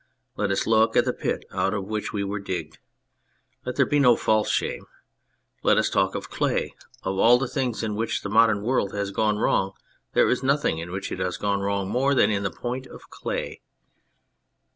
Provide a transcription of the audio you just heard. Let us look at the pit out of which we were digged : let there be no false shame ; let us talk of clay : of all the things in which the modern world has gone wrong there is nothing in which it has gone wrong more than in the point of clay.